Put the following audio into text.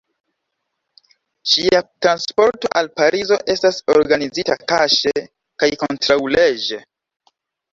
Ŝia transporto al Parizo estas organizita kaŝe kaj kontraŭleĝe.